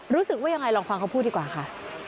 รู้สึกว่ายังไงลองฟังเขาพูดดีกว่าค่ะ